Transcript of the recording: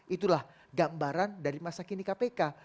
itulah gambaran dari masa kini kpk